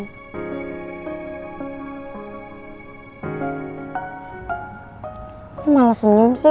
lo malah senyum sih